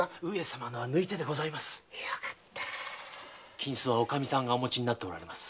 金子はおかみさんがお持ちになっておられます。